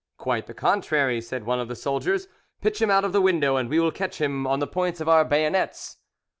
"Quite the contrary," said one of the soldiers; "pitch him out of the window, and we will catch him on the points of our bayonets."